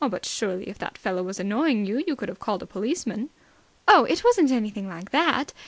"But surely, if that fellow was annoying you, you could have called a policeman?" "Oh, it wasn't anything like that.